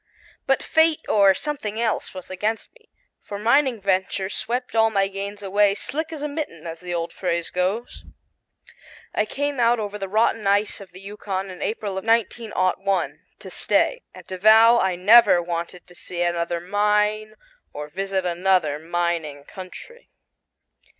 But fate or something else was against me, for mining ventures swept all my gains away "slick as a mitten," as the old phrase goes. I came out over the rotten ice of the Yukon in April of 1901 to stay, and to vow I never wanted to see another mine or visit another mining country.